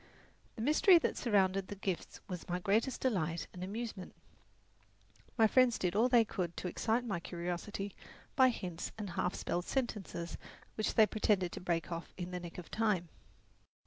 The mystery that surrounded the gifts was my greatest delight and amusement. My friends did all they could to excite my curiosity by hints and half spelled sentences which they pretended to break off in the nick of time.